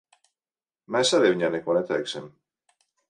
Mēs arī viņai neko neteiksim.